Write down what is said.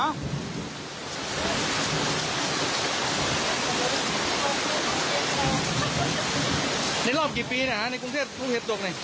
มานี่รอบกี่ปีน่ะกรุงเทพฯแล้วลูกเห็บตกแล้ว